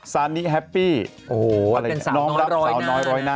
ซานิแฮปปี้โอ้โหอะไรน้องรักสาวน้อยร้อยหน้า